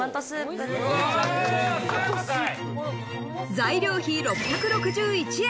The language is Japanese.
材料費６６１円。